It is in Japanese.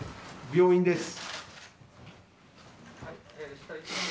病院です。